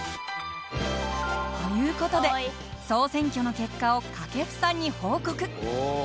という事で総選挙の結果を掛布さんに報告。